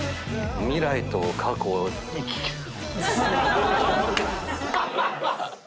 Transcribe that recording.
未来と過去を行き来する。